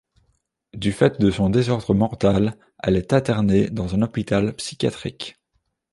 Du fait de son désordre mental, elle est internée dans un hôpital psychiatrique.